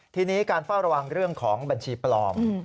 ทีนี้การเฝ้าระวังเรื่องของบัญชีปลอม